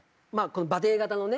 馬蹄形のね